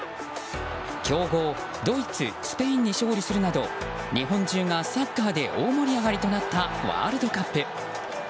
強豪ドイツ、スペインに勝利するなど日本中がサッカーで大盛り上がりとなったワールドカップ。